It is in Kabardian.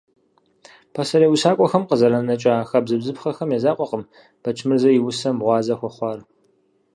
Пасэрей усакӀуэхэм къызэранэкӀа хабзэ-бзыпхъэхэм я закъуэкъым Бэчмырзэ и усэм гъуазэ хуэхъуар.